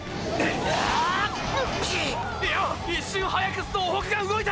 いや一瞬早く総北が動いた！！